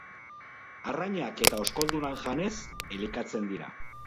Arrainak eta oskoldunak janez elikatzen dira.